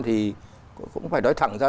thì cũng phải nói thẳng ra